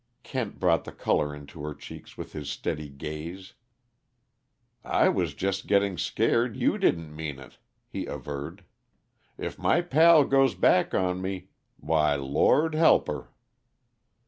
Kent brought the color into her cheeks with his steady gaze. "I was just getting scared you didn't mean it," he averred. "If my pal goes back on me why, Lord help her!"